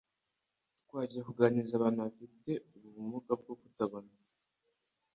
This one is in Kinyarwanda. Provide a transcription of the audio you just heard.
twagiye kuganiriza abantu bafite ubu muga bwo kutareba